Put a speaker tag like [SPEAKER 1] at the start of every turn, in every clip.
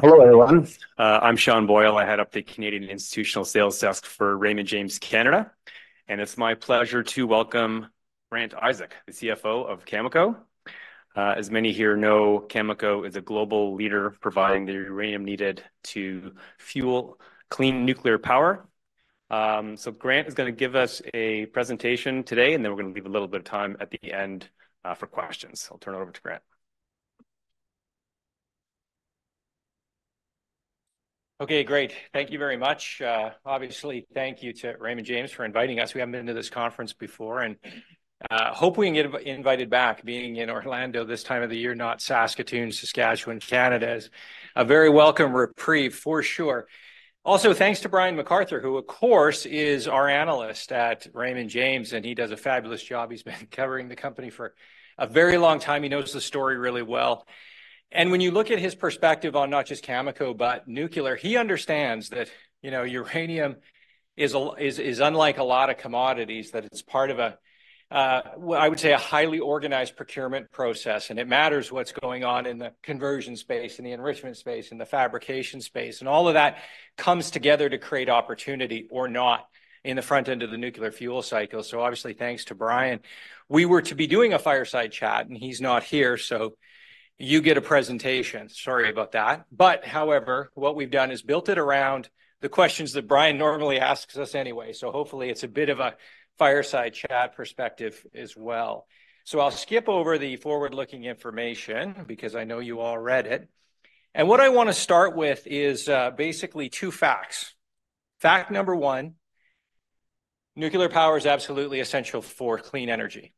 [SPEAKER 1] Hello everyone.
[SPEAKER 2] I'm Sean Boyle. I head up the Canadian Institutional Sales Desk for Raymond James, Canada, and it's my pleasure to welcome Grant Isaac, the CFO of Cameco. As many here know, Cameco is a global leader providing the uranium needed to fuel clean nuclear power. So Grant is gonna give us a presentation today, and then we're gonna leave a little bit of time at the end for questions. I'll turn it over to Grant.
[SPEAKER 1] Okay, great. Thank you very much. Obviously, thank you to Raymond James for inviting us. We haven't been to this conference before, and hope we can get invited back, being in Orlando this time of the year, not Saskatoon, Saskatchewan, Canada. It's a very welcome reprieve for sure. Also, thanks to Brian MacArthur, who, of course, is our analyst at Raymond James, and he does a fabulous job. He's been covering the company for a very long time. He knows the story really well. And when you look at his perspective on not just Cameco but nuclear, he understands that, you know, uranium is unlike a lot of commodities, that it's part of a, well, I would say a highly organized procurement process, and it matters what's going on in the conversion space, in the enrichment space, in the fabrication space, and all of that comes together to create opportunity or not in the front end of the nuclear fuel cycle. So obviously, thanks to Brian. We were to be doing a fireside chat, and he's not here, so you get a presentation. Sorry about that. But however, what we've done is built it around the questions that Brian normally asks us anyway. So hopefully, it's a bit of a fireside chat perspective as well. So I'll skip over the forward-looking information because I know you all read it. What I wanna start with is, basically two facts. Fact number one, nuclear power is absolutely essential for clean energy.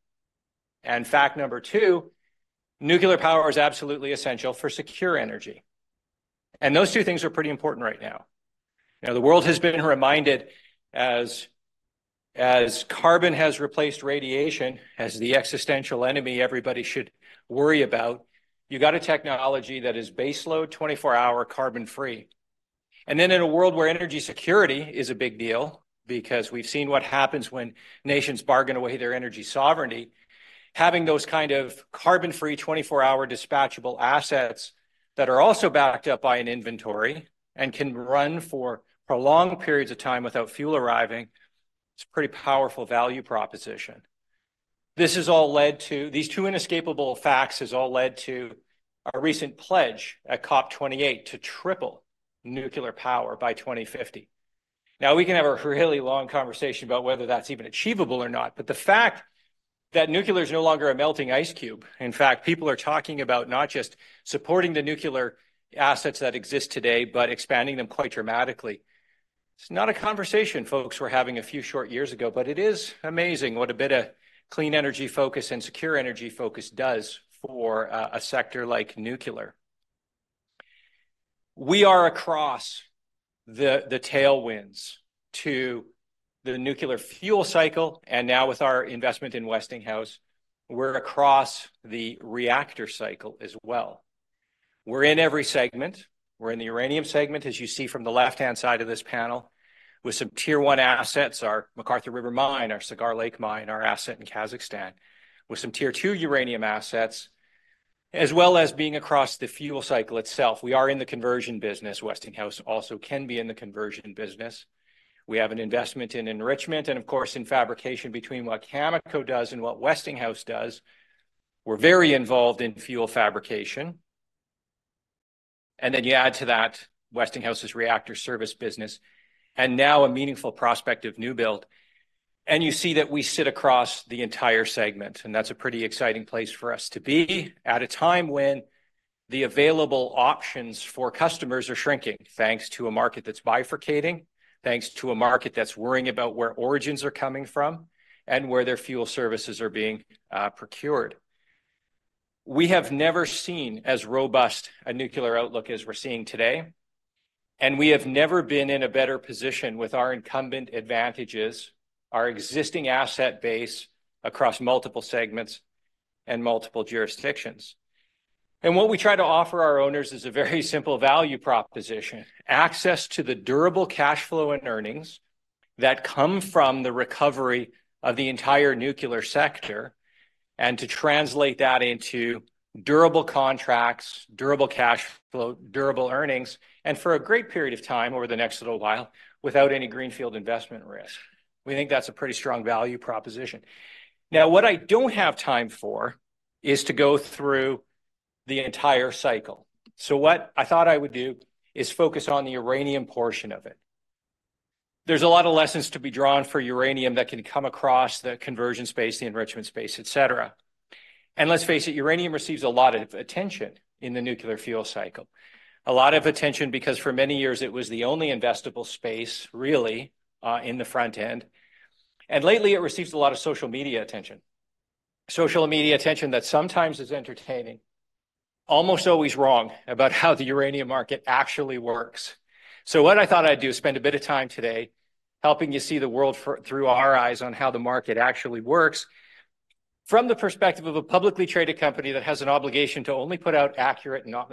[SPEAKER 1] Fact number two, nuclear power is absolutely essential for secure energy. Those two things are pretty important right now. You know, the world has been reminded as carbon has replaced radiation, as the existential enemy everybody should worry about, you got a technology that is baseload, 24-hour, carbon-free. Then in a world where energy security is a big deal because we've seen what happens when nations bargain away their energy sovereignty, having those kind of carbon-free, 24-hour, dispatchable assets that are also backed up by an inventory and can run for prolonged periods of time without fuel arriving is a pretty powerful value proposition. This has all led to these two inescapable facts, our recent pledge at COP 28 to triple nuclear power by 2050. Now, we can have a really long conversation about whether that's even achievable or not, but the fact that nuclear is no longer a melting ice cube. In fact, people are talking about not just supporting the nuclear assets that exist today, but expanding them quite dramatically. It's not a conversation folks were having a few short years ago, but it is amazing what a bit of clean energy focus and secure energy focus does for a sector like nuclear. We are across the tailwinds to the nuclear fuel cycle. And now with our investment in Westinghouse, we're across the reactor cycle as well. We're in every segment. We're in the uranium segment, as you see from the left-hand side of this panel, with some Tier 1 assets, our McArthur River mine, our Cigar Lake mine, our asset in Kazakhstan, with some Tier 2 uranium assets, as well as being across the fuel cycle itself. We are in the conversion business. Westinghouse also can be in the conversion business. We have an investment in enrichment and, of course, in fabrication between what Cameco does and what Westinghouse does. We're very involved in fuel fabrication. And then you add to that Westinghouse's reactor service business and now a meaningful prospect of new build. You see that we sit across the entire segment, and that's a pretty exciting place for us to be at a time when the available options for customers are shrinking thanks to a market that's bifurcating, thanks to a market that's worrying about where origins are coming from and where their fuel services are being procured. We have never seen as robust a nuclear outlook as we're seeing today. We have never been in a better position with our incumbent advantages, our existing asset base across multiple segments and multiple jurisdictions. What we try to offer our owners is a very simple value proposition: access to the durable cash flow and earnings that come from the recovery of the entire nuclear sector, and to translate that into durable contracts, durable cash flow, durable earnings, and for a great period of time over the next little while without any greenfield investment risk. We think that's a pretty strong value proposition. Now, what I don't have time for is to go through the entire cycle. What I thought I would do is focus on the uranium portion of it. There's a lot of lessons to be drawn for uranium that can come across the conversion space, the enrichment space, etc. Let's face it, uranium receives a lot of attention in the nuclear fuel cycle. A lot of attention because for many years it was the only investable space, really, in the front end. And lately it receives a lot of social media attention. Social media attention that sometimes is entertaining, almost always wrong about how the uranium market actually works. So what I thought I'd do is spend a bit of time today helping you see the world through our eyes on how the market actually works from the perspective of a publicly traded company that has an obligation to only put out accurate and not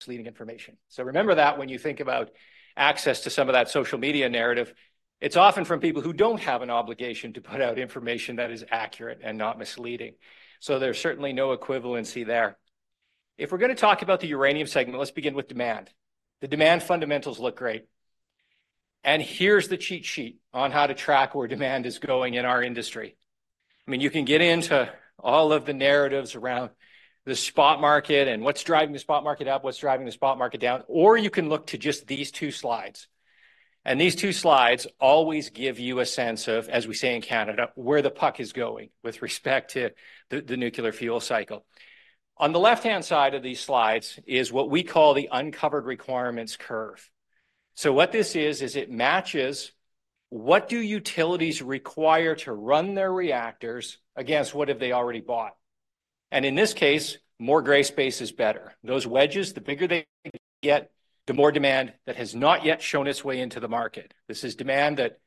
[SPEAKER 1] misleading information. So remember that when you think about access to some of that social media narrative, it's often from people who don't have an obligation to put out information that is accurate and not misleading. So there's certainly no equivalency there. If we're gonna talk about the uranium segment, let's begin with demand. The demand fundamentals look great. Here's the cheat sheet on how to track where demand is going in our industry. I mean, you can get into all of the narratives around the Spot Market and what's driving the Spot Market up, what's driving the Spot Market down, or you can look to just these two slides. These two slides always give you a sense of, as we say in Canada, where the puck is going with respect to the nuclear fuel cycle. On the left-hand side of these slides is what we call the Uncovered Requirements curve. So what this is, is it matches what do utilities require to run their reactors against what have they already bought? In this case, more gray space is better. Those wedges, the bigger they get, the more demand that has not yet shown its way into the market. This is demand that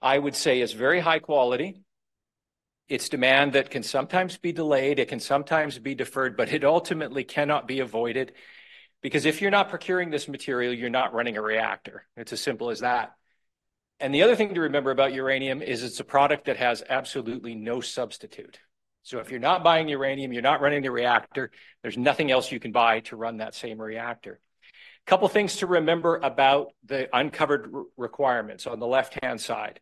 [SPEAKER 1] I would say is very high quality. It's demand that can sometimes be delayed. It can sometimes be deferred, but it ultimately cannot be avoided. Because if you're not procuring this material, you're not running a reactor. It's as simple as that. And the other thing to remember about uranium is it's a product that has absolutely no substitute. So if you're not buying uranium, you're not running the reactor. There's nothing else you can buy to run that same reactor. A couple of things to remember about the uncovered requirements on the left-hand side.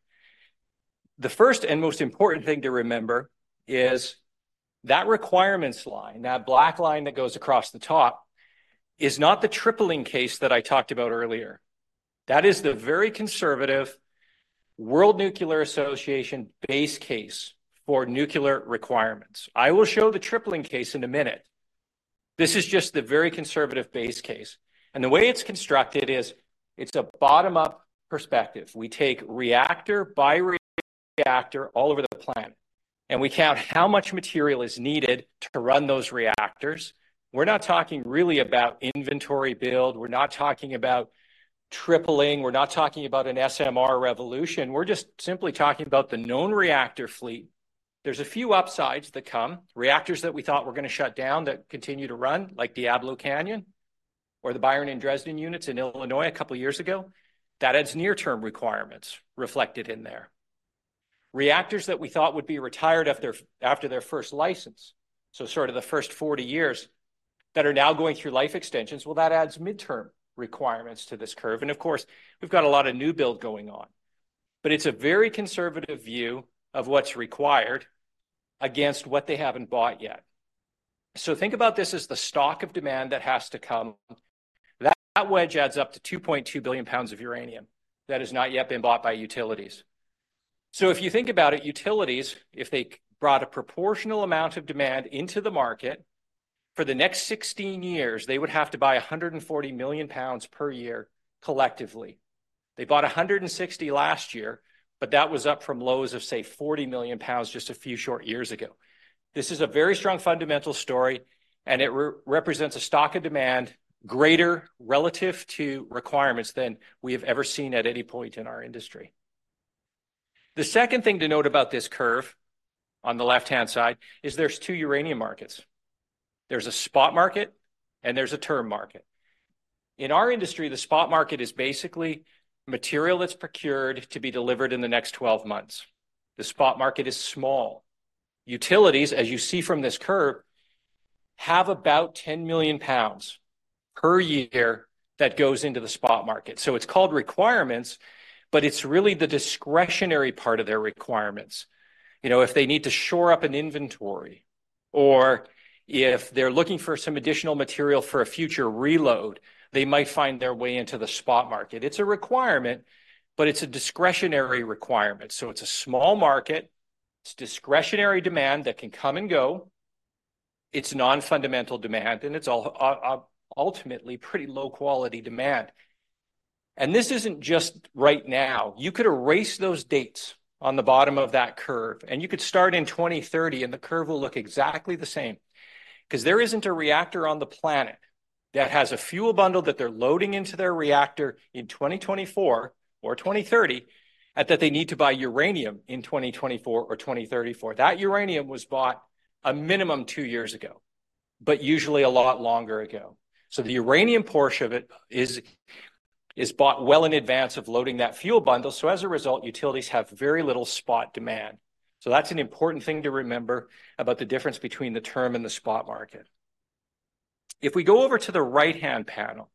[SPEAKER 1] The first and most important thing to remember is that requirements line, that black line that goes across the top is not the tripling case that I talked about earlier. That is the very conservative World Nuclear Association base case for nuclear requirements. I will show the tripling case in a minute. This is just the very conservative base case. And the way it's constructed is it's a bottom-up perspective. We take reactor by reactor all over the planet. And we count how much material is needed to run those reactors. We're not talking really about inventory build. We're not talking about tripling. We're not talking about an SMR revolution. We're just simply talking about the known reactor fleet. There's a few upsides that come. Reactors that we thought were gonna shut down that continue to run, like Diablo Canyon or the Byron and Dresden units in Illinois a couple of years ago. That adds near-term requirements reflected in there. Reactors that we thought would be retired after their first license, so sort of the first 40 years that are now going through life extensions. Well, that adds mid-term requirements to this curve. Of course, we've got a lot of new build going on. It's a very conservative view of what's required against what they haven't bought yet. Think about this as the stock of demand that has to come. That wedge adds up to 2.2 billion pounds of uranium that has not yet been bought by utilities. If you think about it, utilities, if they brought a proportional amount of demand into the market for the next 16 years, they would have to buy 140 million pounds per year collectively. They bought 160 last year, but that was up from lows of, say, 40 million pounds just a few short years ago. This is a very strong fundamental story, and it represents a stock of demand greater relative to requirements than we have ever seen at any point in our industry. The second thing to note about this curve on the left-hand side is there's two uranium markets. There's a spot market, and there's a term market. In our industry, the spot market is basically material that's procured to be delivered in the next 12 months. The spot market is small. Utilities, as you see from this curve, have about 10 million pounds per year that goes into the spot market. So it's called requirements, but it's really the discretionary part of their requirements. You know, if they need to shore up an inventory, or if they're looking for some additional material for a future reload, they might find their way into the spot market. It's a requirement, but it's a discretionary requirement. So it's a small market. It's discretionary demand that can come and go. It's non-fundamental demand, and it's all ultimately pretty low quality demand. This isn't just right now. You could erase those dates on the bottom of that curve, and you could start in 2030, and the curve will look exactly the same. Because there isn't a reactor on the planet that has a fuel bundle that they're loading into their reactor in 2024 or 2030, and that they need to buy uranium in 2024 or 2030 for that uranium was bought a minimum two years ago. But usually a lot longer ago. So the uranium portion of it is bought well in advance of loading that fuel bundle. So, as a result, utilities have very little spot demand. So that's an important thing to remember about the difference between the term and the spot market. If we go over to the right-hand panel.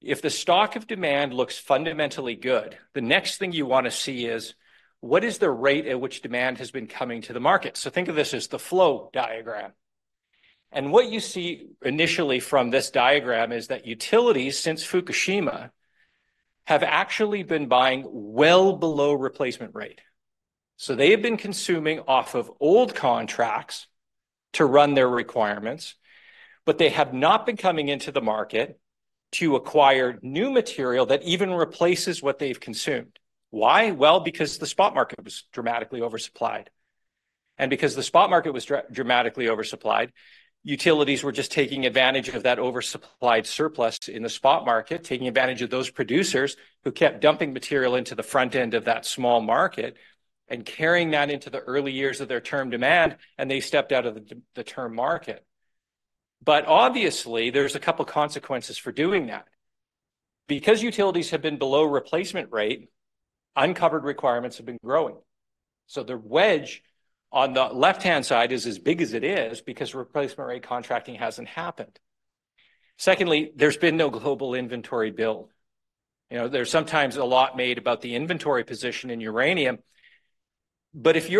[SPEAKER 1] If the stock of demand looks fundamentally good, the next thing you wanna see is what is the rate at which demand has been coming to the market? Think of this as the flow diagram. What you see initially from this diagram is that utilities, since Fukushima, have actually been buying well below replacement rate. They have been consuming off of old contracts to run their requirements. They have not been coming into the market to acquire new material that even replaces what they've consumed. Why? Well, because the spot market was dramatically oversupplied. And because the spot market was dramatically oversupplied, utilities were just taking advantage of that oversupplied surplus in the spot market, taking advantage of those producers who kept dumping material into the front end of that small market and carrying that into the early years of their term demand, and they stepped out of the term market. But obviously, there's a couple of consequences for doing that. Because utilities have been below replacement rate, uncovered requirements have been growing. So the wedge on the left-hand side is as big as it is because replacement rate contracting hasn't happened. Secondly, there's been no global inventory build. You know, there's sometimes a lot made about the inventory position in uranium. But if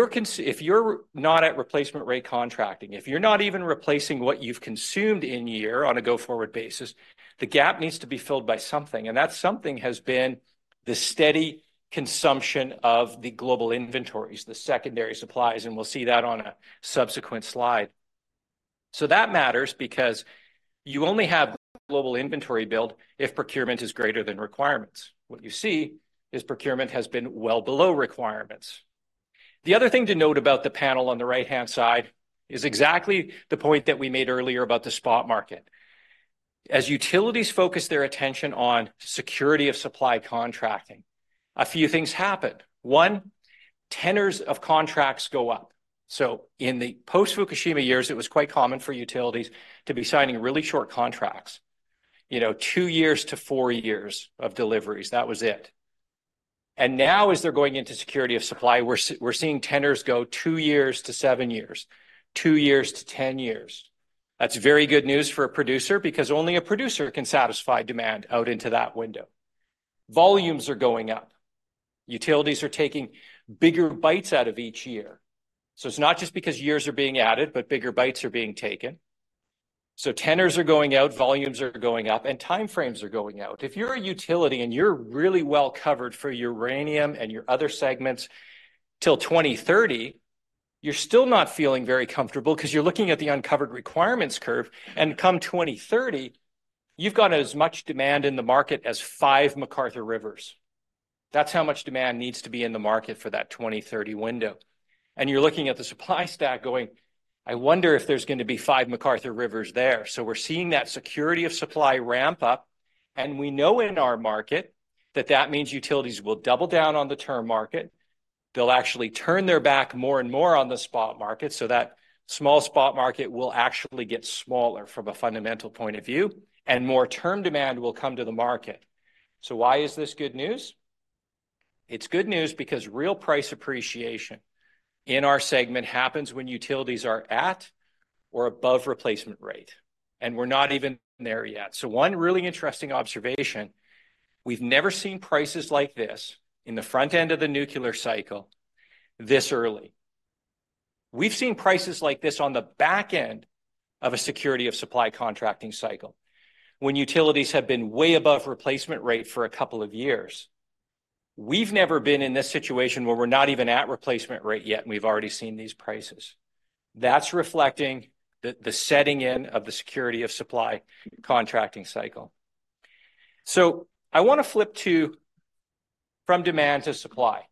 [SPEAKER 1] you're not at replacement rate contracting, if you're not even replacing what you've consumed in year on a go-forward basis, the gap needs to be filled by something, and that something has been the steady consumption of the global inventories, the secondary supplies, and we'll see that on a subsequent slide. So that matters because you only have global inventory build if procurement is greater than requirements. What you see is procurement has been well below requirements. The other thing to note about the panel on the right-hand side is exactly the point that we made earlier about the spot market. As utilities focus their attention on security of supply contracting, a few things happen. One, tenors of contracts go up. So in the post-Fukushima years, it was quite common for utilities to be signing really short contracts. You know, two-four years of deliveries. That was it. And now, as they're going into security of supply, we're seeing tenors go two-seven years. two-10 years. That's very good news for a producer, because only a producer can satisfy demand out into that window. Volumes are going up. Utilities are taking bigger bites out of each year. So it's not just because years are being added, but bigger bites are being taken. So tenors are going out. Volumes are going up, and timeframes are going out. If you're a utility and you're really well covered for uranium and your other segments till 2030. You're still not feeling very comfortable because you're looking at the uncovered requirements curve, and come 2030. You've got as much demand in the market as five McArthur Rivers. That's how much demand needs to be in the market for that 2030 window. And you're looking at the supply stack going. I wonder if there's gonna be five McArthur Rivers there. So we're seeing that security of supply ramp up. And we know in our market that that means utilities will double down on the term market. They'll actually turn their back more and more on the spot market, so that small spot market will actually get smaller from a fundamental point of view, and more term demand will come to the market. So why is this good news? It's good news because real price appreciation in our segment happens when utilities are at or above replacement rate. And we're not even there yet. So one really interesting observation. We've never seen prices like this in the front end of the nuclear cycle. This early. We've seen prices like this on the back end of a security of supply contracting cycle. When utilities have been way above replacement rate for a couple of years. We've never been in this situation where we're not even at replacement rate yet, and we've already seen these prices. That's reflecting the setting in of the security of supply contracting cycle. So I wanna flip from demand to supply.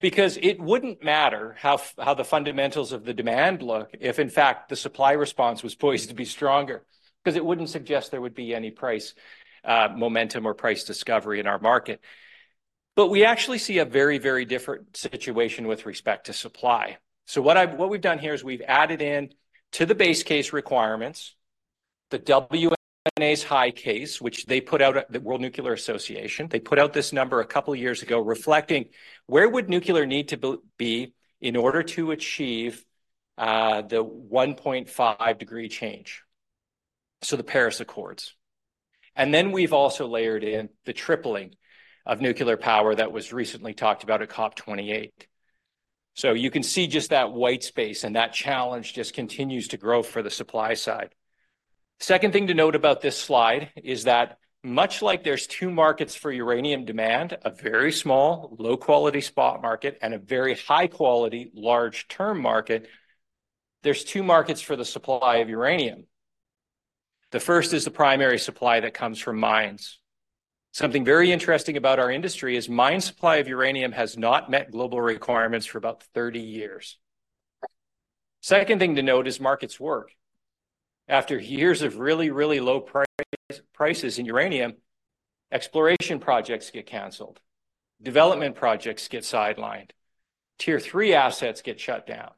[SPEAKER 1] Because it wouldn't matter how the fundamentals of the demand look if, in fact, the supply response was poised to be stronger, because it wouldn't suggest there would be any price momentum or price discovery in our market. But we actually see a very, very different situation with respect to supply. So what we've done here is we've added in to the base case requirements. The WNA's high case, which they put out at the World Nuclear Association. They put out this number a couple of years ago, reflecting where would nuclear need to be in order to achieve the 1.5 degree change. So the Paris Accords. And then we've also layered in the tripling of nuclear power that was recently talked about at COP 28. So you can see just that white space, and that challenge just continues to grow for the supply side. Second thing to note about this slide is that, much like there's two markets for uranium demand, a very small, low quality spot market, and a very high quality, large term market. There's two markets for the supply of uranium. The first is the primary supply that comes from mines. Something very interesting about our industry is mine supply of uranium has not met global requirements for about 30 years. Second thing to note is markets work. After years of really, really low prices in uranium, exploration projects get canceled. Development projects get sidelined. Tier 3 assets get shut down.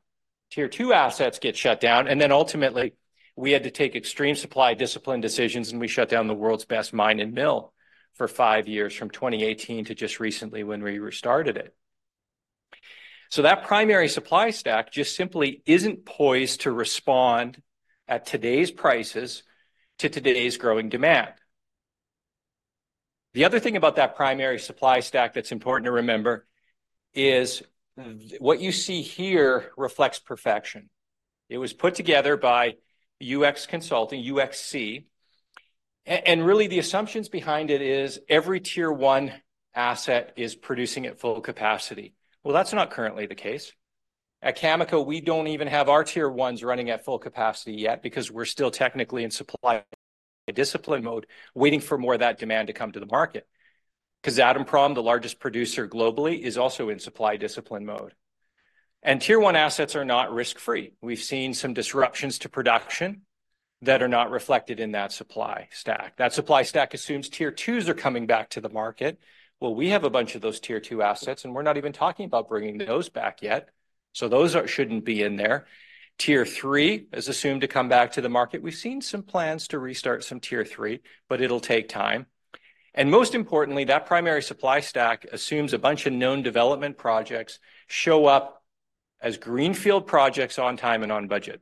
[SPEAKER 1] Tier 2 assets get shut down. And then, ultimately, we had to take extreme supply discipline decisions, and we shut down the world's best mine and mill for five years, from 2018 to just recently when we restarted it. So that primary supply stack just simply isn't poised to respond at today's prices to today's growing demand. The other thing about that primary supply stack that's important to remember is what you see here reflects perfection. It was put together by Ux Consulting UxC. And really, the assumptions behind it is every Tier 1 asset is producing at full capacity. Well, that's not currently the case. At Cameco, we don't even have our Tier 1s running at full capacity yet, because we're still technically in supply discipline mode, waiting for more of that demand to come to the market. Because Kazatomprom, the largest producer globally, is also in supply discipline mode. And Tier 1 assets are not risk free. We've seen some disruptions to production that are not reflected in that supply stack. That supply stack assumes Tier 2s are coming back to the market. Well, we have a bunch of those Tier 2 assets, and we're not even talking about bringing those back yet. So those shouldn't be in there. Tier 3 is assumed to come back to the market. We've seen some plans to restart some Tier 3, but it'll take time. And most importantly, that primary supply stack assumes a bunch of known development projects show up. As greenfield projects on time and on budget.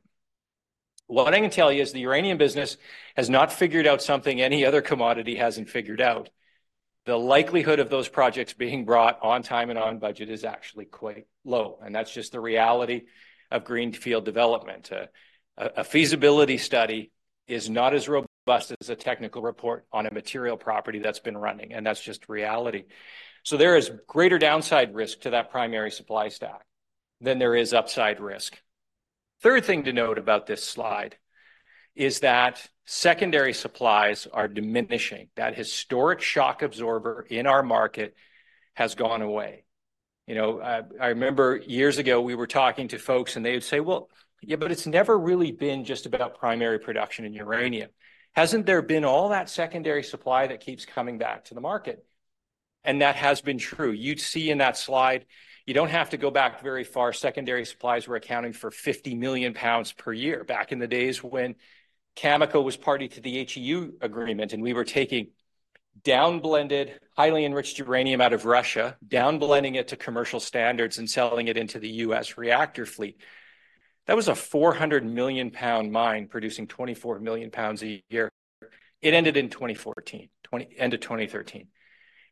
[SPEAKER 1] What I can tell you is the uranium business has not figured out something any other commodity hasn't figured out. The likelihood of those projects being brought on time and on budget is actually quite low, and that's just the reality of greenfield development. A feasibility study is not as robust as a technical report on a material property that's been running, and that's just reality. So there is greater downside risk to that primary supply stack than there is upside risk. Third thing to note about this slide is that secondary supplies are diminishing. That historic shock absorber in our market has gone away. You know, I remember years ago we were talking to folks, and they would say, well, yeah, but it's never really been just about primary production in uranium. Hasn't there been all that secondary supply that keeps coming back to the market? And that has been true. You'd see in that slide. You don't have to go back very far. Secondary supplies were accounting for 50 million pounds per year back in the days when Cameco was party to the HEU agreement, and we were taking downblended, highly enriched uranium out of Russia, downblending it to commercial standards and selling it into the US reactor fleet. That was a 400 million-pound mine producing 24 million pounds a year. It ended in 2014, end of 2013.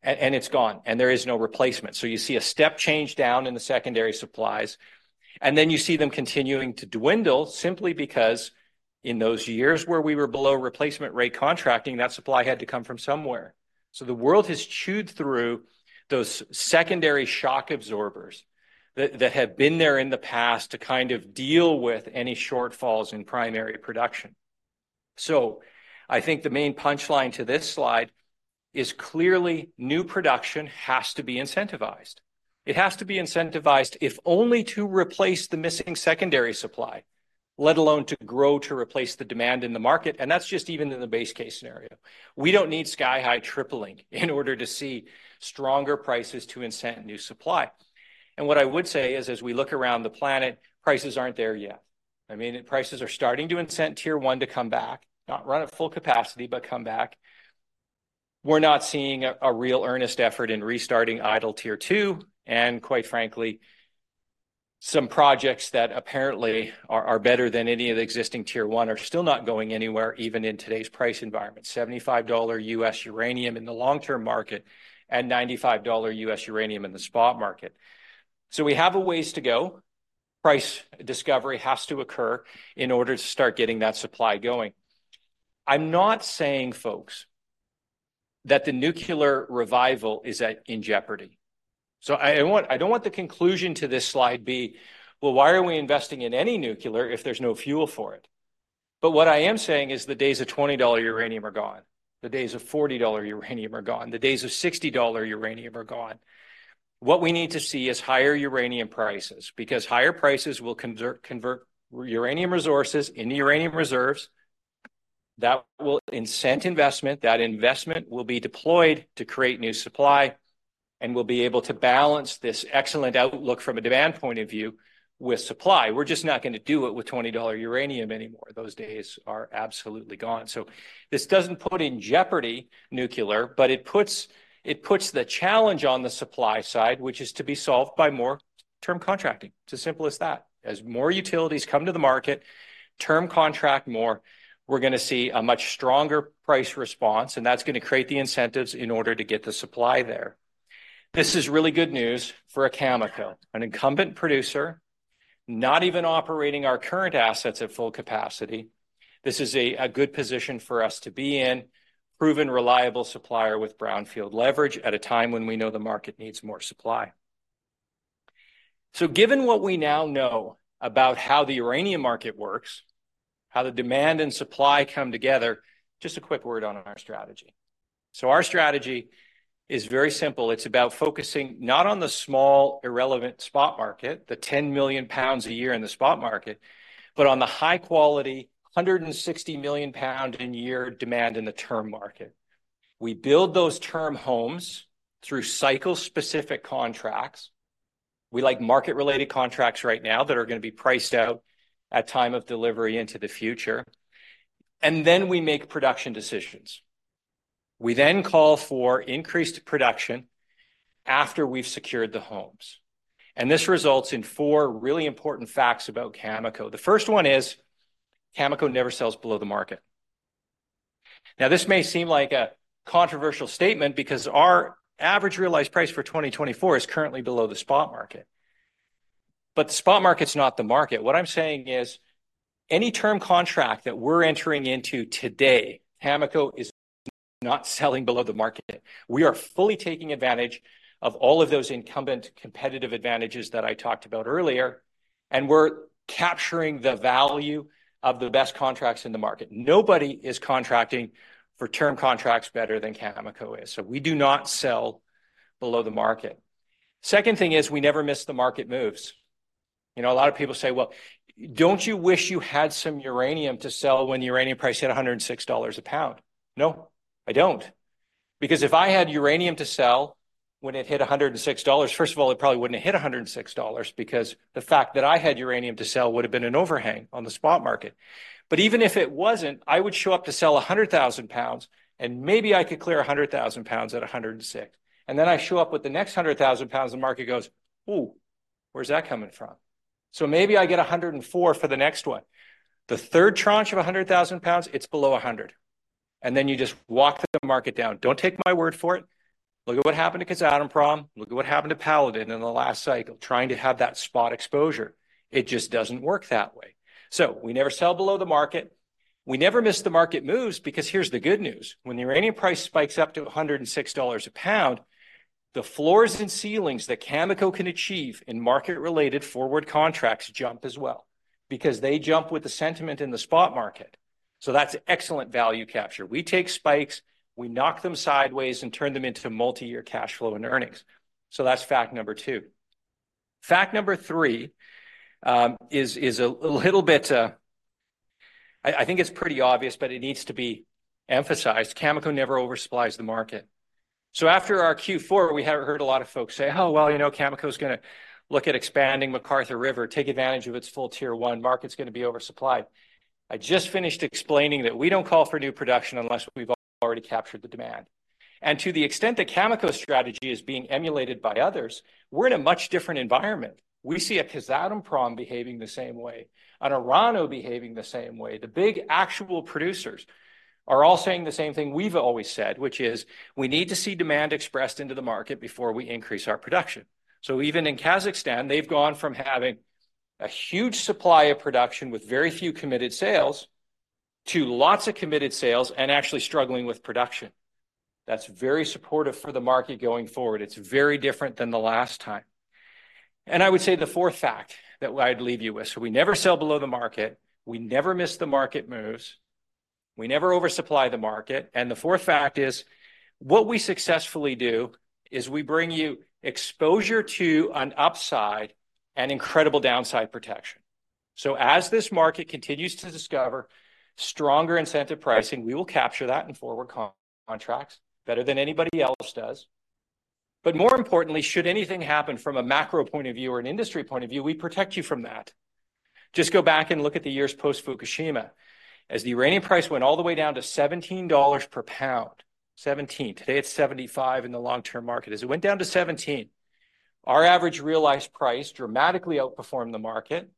[SPEAKER 1] And it's gone, and there is no replacement. So you see a step change down in the secondary supplies. And then you see them continuing to dwindle simply because. In those years where we were below replacement rate contracting, that supply had to come from somewhere. So the world has chewed through those secondary shock absorbers that have been there in the past to kind of deal with any shortfalls in primary production. So I think the main punchline to this slide is clearly new production has to be incentivized. It has to be incentivized if only to replace the missing secondary supply, let alone to grow to replace the demand in the market. And that's just even in the base case scenario. We don't need sky high tripling in order to see stronger prices to incent new supply. And what I would say is, as we look around the planet, prices aren't there yet. I mean, prices are starting to incent Tier 1 to come back, not run at full capacity, but come back. We're not seeing a real earnest effort in restarting idle Tier 2, and quite frankly. Some projects that apparently are better than any of the existing Tier one are still not going anywhere, even in today's price environment, $75 uranium in the long term market. $95 uranium in the spot market. So we have a ways to go. Price discovery has to occur in order to start getting that supply going. I'm not saying, folks, that the nuclear revival is in jeopardy. So I want. I don't want the conclusion to this slide be, "Well, why are we investing in any nuclear if there's no fuel for it?" But what I am saying is the days of $20 uranium are gone. The days of $40 uranium are gone. The days of $60 uranium are gone. What we need to see is higher uranium prices, because higher prices will convert uranium resources into uranium reserves. That will incent investment. That investment will be deployed to create new supply. We'll be able to balance this excellent outlook from a demand point of view with supply. We're just not gonna do it with $20 uranium anymore. Those days are absolutely gone. So this doesn't put in jeopardy nuclear, but it puts the challenge on the supply side, which is to be solved by more term contracting. It's as simple as that. As more utilities come to the market. Term contract more. We're gonna see a much stronger price response, and that's gonna create the incentives in order to get the supply there. This is really good news for Cameco, an incumbent producer. Not even operating our current assets at full capacity. This is a good position for us to be in. Proven reliable supplier with brownfield leverage at a time when we know the market needs more supply. Given what we now know about how the uranium market works. How the demand and supply come together. Just a quick word on our strategy. Our strategy is very simple. It's about focusing not on the small, irrelevant spot market, the 10 million pounds a year in the spot market, but on the high quality, 160 million pound in year demand in the term market. We build those term homes through cycle specific contracts. We like market related contracts right now that are gonna be priced out at time of delivery into the future. And then we make production decisions. We then call for increased production after we've secured the homes. And this results in four really important facts about Cameco. The 1st one is. Cameco never sells below the market. Now, this may seem like a controversial statement, because our average realized price for 2024 is currently below the spot market. But the spot market's not the market. What I'm saying is, any term contract that we're entering into today, Cameco is not selling below the market. We are fully taking advantage of all of those incumbent competitive advantages that I talked about earlier. And we're capturing the value of the best contracts in the market. Nobody is contracting for term contracts better than Cameco is. So we do not sell below the market. Second thing is, we never miss the market moves. You know, a lot of people say, well, don't you wish you had some uranium to sell when the uranium price hit $106 a pound? No, I don't. Because if I had uranium to sell. When it hit $106, first of all, it probably wouldn't have hit $106, because the fact that I had uranium to sell would have been an overhang on the spot market. But even if it wasn't, I would show up to sell 100,000 pounds, and maybe I could clear 100,000 pounds at $106. And then I show up with the next 100,000 pounds. The market goes, "Oh. Where's that coming from?" So maybe I get $104 for the next one. The 3rd tranche of 100,000 pounds. It's below $100. And then you just walk the market down. Don't take my word for it. Look at what happened to Kazatomprom. Look at what happened to Paladin in the last cycle, trying to have that spot exposure. It just doesn't work that way. So we never sell below the market. We never miss the market moves, because here's the good news. When the uranium price spikes up to $106 a pound. The floors and ceilings that Cameco can achieve in market-related forward contracts jump as well. Because they jump with the sentiment in the spot market. So that's excellent value capture. We take spikes. We knock them sideways and turn them into multi-year cash flow and earnings. So that's fact number two. Fact number three is a little bit. I think it's pretty obvious, but it needs to be emphasized. Cameco never oversupplies the market. So after our Q4, we have heard a lot of folks say, oh, well, you know, Cameco is gonna look at expanding McArthur River, take advantage of its full Tier 1 market's gonna be oversupplied. I just finished explaining that we don't call for new production unless we've already captured the demand. To the extent that Cameco's strategy is being emulated by others, we're in a much different environment. We see Kazatomprom behaving the same way, Orano behaving the same way. The big actual producers are all saying the same thing we've always said, which is we need to see demand expressed into the market before we increase our production. So even in Kazakhstan, they've gone from having a huge supply of production with very few committed sales to lots of committed sales and actually struggling with production. That's very supportive for the market going forward. It's very different than the last time. I would say the fourth fact that I'd leave you with. So we never sell below the market. We never miss the market moves. We never oversupply the market. The 4th fact is what we successfully do is we bring you exposure to an upside and incredible downside protection. So as this market continues to discover stronger incentive pricing, we will capture that in forward contracts better than anybody else does. But more importantly, should anything happen from a macro point of view or an industry point of view, we protect you from that. Just go back and look at the years post Fukushima. As the uranium price went all the way down to $17 per pound. $17. Today it's $75 in the long term market as it went down to $17. Our average realized price dramatically outperformed the market.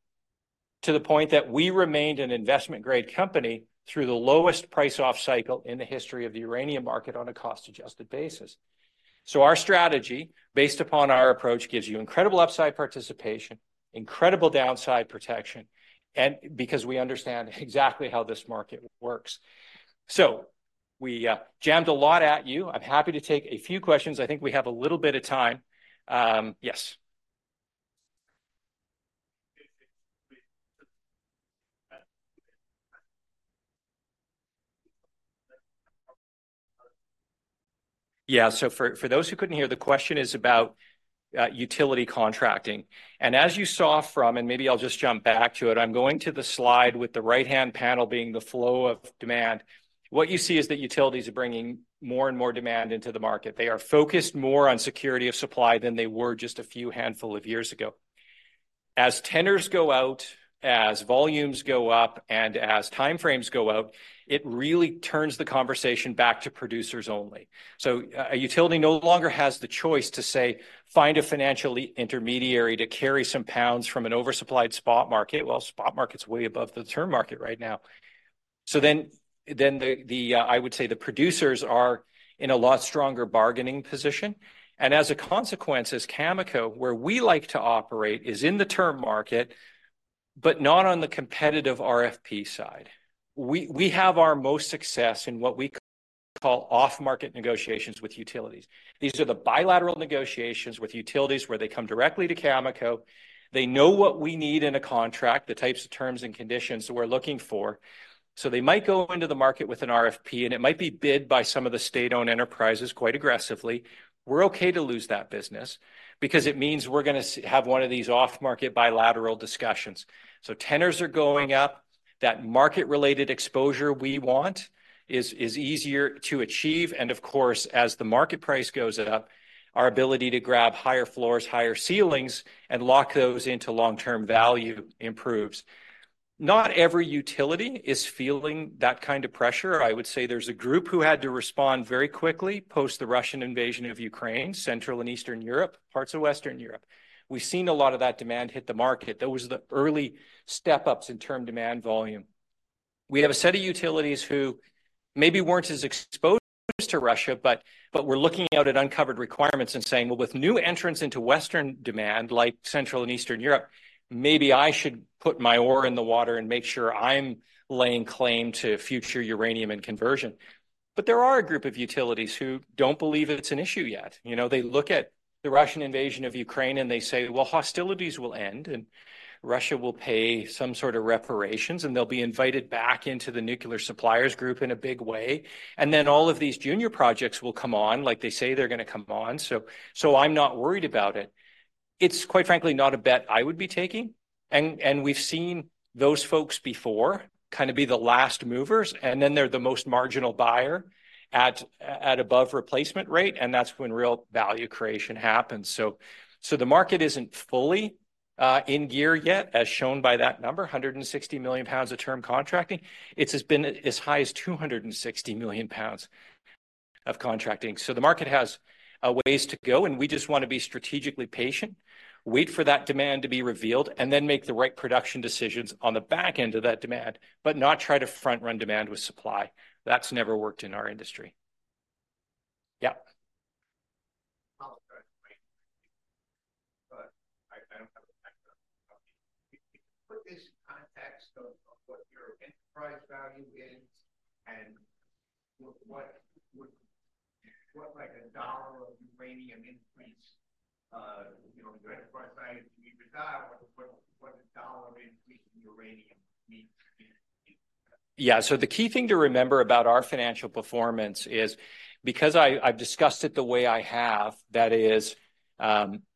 [SPEAKER 1] To the point that we remained an investment grade company through the lowest price off cycle in the history of the uranium market on a cost adjusted basis. So our strategy based upon our approach gives you incredible upside participation. Incredible downside protection. And because we understand exactly how this market works. So. We jammed a lot at you. I'm happy to take a few questions. I think we have a little bit of time. Yes. Yeah. So for those who couldn't hear, the question is about utility contracting. And as you saw from, and maybe I'll just jump back to it. I'm going to the slide with the right-hand panel being the flow of demand. What you see is that utilities are bringing more and more demand into the market. They are focused more on security of supply than they were just a few handful of years ago. As tenors go out. As volumes go up, and as timeframes go out. It really turns the conversation back to producers only. So a utility no longer has the choice to say, find a financial intermediary to carry some pounds from an oversupplied spot market. Well, spot market's way above the term market right now. So then, I would say the producers are in a lot stronger bargaining position. And as a consequence, as Cameco, where we like to operate is in the term market. But not on the competitive RFP side. We have our most success in what we call off-market negotiations with utilities. These are the bilateral negotiations with utilities where they come directly to Cameco. They know what we need in a contract, the types of terms and conditions that we're looking for. So they might go into the market with an RFP, and it might be bid by some of the state-owned enterprises quite aggressively. We're okay to lose that business. Because it means we're gonna have one of these off-market bilateral discussions. So tenors are going up. That market-related exposure we want is easier to achieve. And of course, as the market price goes up, our ability to grab higher floors, higher ceilings, and lock those into long-term value improves. Not every utility is feeling that kind of pressure. I would say there's a group who had to respond very quickly post the Russian invasion of Ukraine, Central and Eastern Europe, parts of Western Europe. We've seen a lot of that demand hit the market. That was the early step-ups in term demand volume. We have a set of utilities who maybe weren't as exposed to Russia, but we're looking out at uncovered requirements and saying, well, with new entrants into Western demand like Central and Eastern Europe. Maybe I should put my ore in the water and make sure I'm laying claim to future uranium and conversion. But there are a group of utilities who don't believe it's an issue yet. You know, they look at the Russian invasion of Ukraine, and they say, well, hostilities will end, and Russia will pay some sort of reparations, and they'll be invited back into the Nuclear Suppliers Group in a big way. And then all of these junior projects will come on like they say they're gonna come on. So I'm not worried about it. It's quite frankly not a bet I would be taking. And we've seen those folks before kind of be the last movers, and then they're the most marginal buyer at above replacement rate. And that's when real value creation happens. So the market isn't fully. In gear yet, as shown by that number, 160 million pounds of term contracting. It has been as high as 260 million pounds of contracting. So the market has ways to go, and we just want to be strategically patient. Wait for that demand to be revealed, and then make the right production decisions on the back end of that demand, but not try to front run demand with supply. That's never worked in our industry. Yep. But I don't have a background. We can put this in context of what your enterprise value is. And what would what like a $1 of uranium increase. You know, your enterprise value can be resolved. What a $1 of increase in uranium means. Yeah. So the key thing to remember about our financial performance is because I've discussed it the way I have. That is.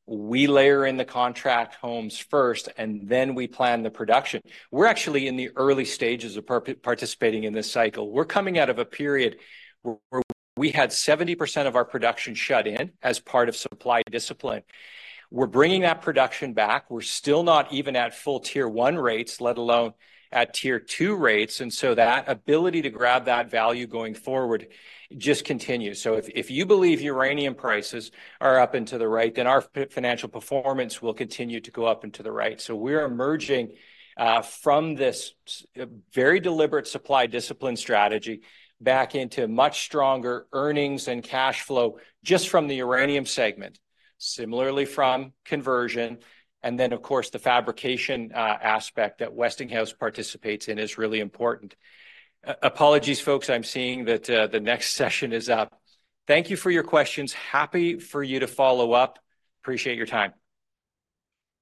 [SPEAKER 1] We layer in the contract volumes first, and then we plan the production. We're actually in the early stages of participating in this cycle. We're coming out of a period where we had 70% of our production shut in as part of supply discipline. We're bringing that production back. We're still not even at full Tier 1 rates, let alone at Tier 2 rates. And so that ability to grab that value going forward just continues. So if you believe uranium prices are up and to the right, then our financial performance will continue to go up and to the right. So we're emerging from this very deliberate supply discipline strategy back into much stronger earnings and cash flow just from the uranium segment. Similarly from conversion. And then, of course, the fabrication aspect that Westinghouse participates in is really important. Apologies, folks. I'm seeing that the next session is up. Thank you for your questions. Happy for you to follow up. Appreciate your time.